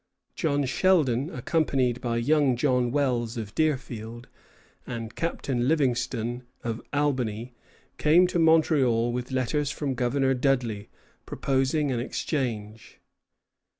John Sheldon, accompanied by young John Wells, of Deerfield, and Captain Livingston, of Albany, came to Montreal with letters from Governor Dudley, proposing an exchange.